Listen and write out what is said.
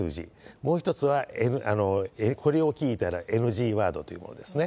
もう一つは、これを聞いたらＮＧワードというものですね。